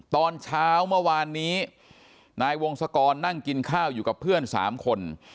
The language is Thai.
ตอนเช้าเมื่อวานนี้นายวงศกรนั่งกินข้าวอยู่กับเพื่อน๓คน